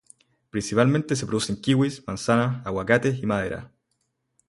Principalmente se producen kiwis, manzanas, aguacates y madera.